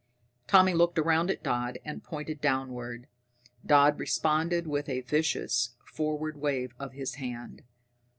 Tommy looked around at Dodd and pointed downward. Dodd responded with a vicious forward wave of his hand.